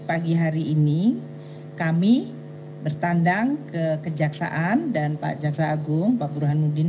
pagi hari ini kami bertandang ke kejaksaan dan pak jaksa agung pak burhanuddin